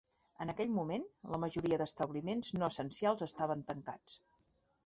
En aquell moment, la majoria d’establiments no essencials estaven tancats.